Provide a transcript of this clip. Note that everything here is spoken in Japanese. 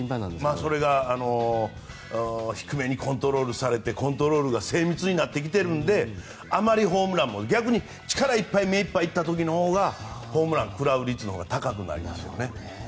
それが低めにコントロールされてコントロールが精密になってきているのであまりホームランも逆に力いっぱい目いっぱい行った時のほうがホームランを食らう率のほうが高くなりますね。